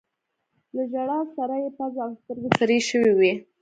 له ژړا سره يې پزه او سترګې سرې شوي وې.